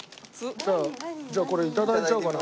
じゃあじゃあこれいただいちゃおうかな。